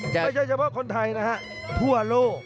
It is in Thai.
ไม่ใช่เฉพาะคนไทยนะฮะทั่วโลก